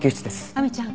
亜美ちゃん